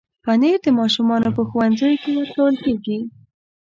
پنېر د ماشومانو په ښوونځیو کې ورکول کېږي.